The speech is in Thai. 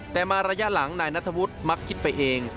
แต่มาระยะหลังนายนัทวุฒิมักคิดไปเอง